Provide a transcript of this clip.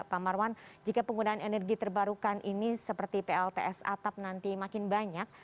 pak marwan jika penggunaan energi terbarukan ini seperti plts atap nanti makin banyak